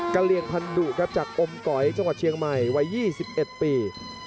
เลี่ยงพันธุครับจากอมก๋อยจังหวัดเชียงใหม่วัย๒๑ปี